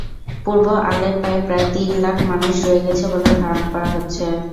পূর্ব আলেপ্পোয় প্রায় তিন লাখ মানুষ রয়ে গেছে বলে ধারণা করা হচ্ছে।